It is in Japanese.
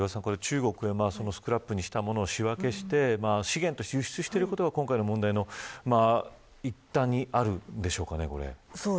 スクラップにしたものを仕分けして資源を抽出してる事が今回の問題の一端にあるんでしょうか。